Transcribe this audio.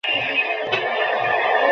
ব্যাপারটা অনেকটা selective breeding এর মতই।